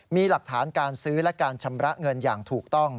มีหลักฐานการซื้อและการชำระเงินอย่างถูกต้อง